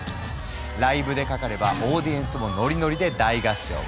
ライブでかかればオーディエンスもノリノリで大合唱！